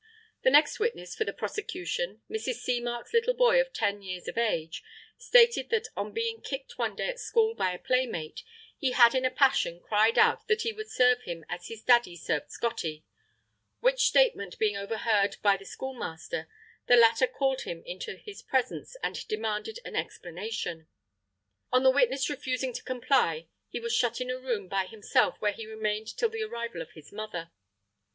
The next witness for the prosecution, Mrs. Seamark's little boy of ten years of age, stated that on being kicked one day at school by a playmate, he had in a passion cried out that he would serve him as his daddy served "Scottie," which statement being overheard by the schoolmaster, the latter called him into his presence and demanded an explanation. On the witness refusing to comply, he was shut in a room by himself where he remained till the arrival of his mother.